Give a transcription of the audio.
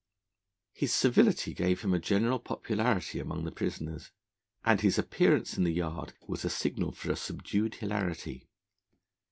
His civility gave him a general popularity among the prisoners, and his appearance in the Yard was a signal for a subdued hilarity.